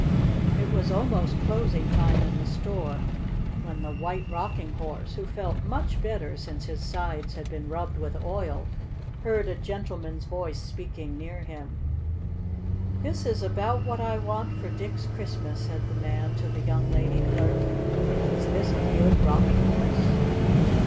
It was almost closing time in the store when the White Rocking Horse, who felt much better since his sides had been rubbed with oil, heard a gentleman's voice speaking near him. "This is about what I want for Dick's Christmas," said the man to the young lady clerk. "Is this a good Rocking Horse?"